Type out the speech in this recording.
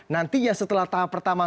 nantinya setelah tahap pertama